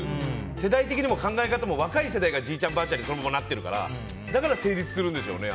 世代的にも考え的にも若い考え方がじいちゃん、ばあちゃんにそのままなってるからだから成立するんでしょうね